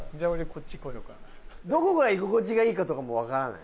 こっちどこが居心地がいいかとかも分からない？